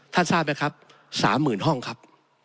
ท่านทราบไหมครับ๓หมื่นห้องครับ